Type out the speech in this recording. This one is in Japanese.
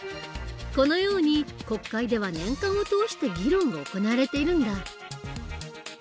このように国会では年間を通して議論が行われているんだ。